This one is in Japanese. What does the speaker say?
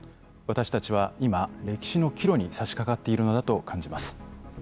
私たちは今歴史の岐路にさしかかっているのだと感じます。